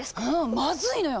まずいのよ！